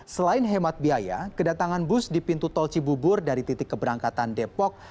selain hemat biaya kedatangan bus di pintu tol cibubur dari titik keberangkatan depok